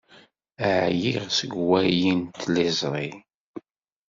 Ɛyiɣ seg uwali n tliẓri.